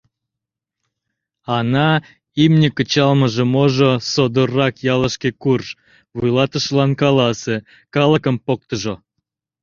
Ана, имне кычалмыже-можо, содоррак ялышке курж, вуйлатышылан каласе: калыкым поктыжо!